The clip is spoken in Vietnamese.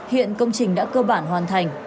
hiện công trình đã cơ bản hoàn thành